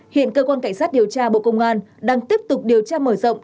hiện cơ quan cảnh sát điều tra bộ công an đang tiếp tục điều tra mở rộng